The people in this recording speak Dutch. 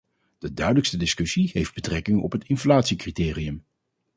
De duidelijkste discussie heeft betrekking op het inflatiecriterium.